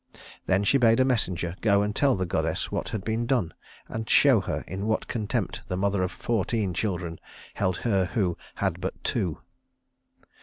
Then she bade a messenger go tell the goddess what had been done, and show her in what contempt the mother of fourteen children held her who had but two.